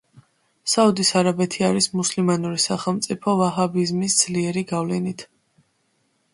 საუდის არაბეთი არის მუსლიმანური სახელმწიფო ვაჰაბიზმის ძლიერი გავლენით.